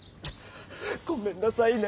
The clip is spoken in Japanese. ごめんなさいね。